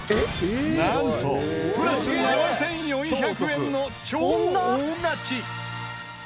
なんとプラス７４００円の超大勝ち！